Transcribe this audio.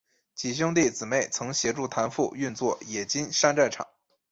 几兄弟姊妹曾协助谭父运作冶金山寨厂。